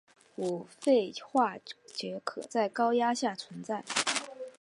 五氟化铯可在高压下存在。